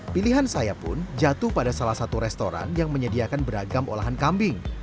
pilihan saya pun jatuh pada salah satu restoran yang menyediakan beragam olahan kambing